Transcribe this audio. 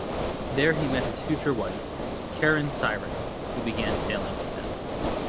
There he met his future wife Karin Syren who began sailing with them.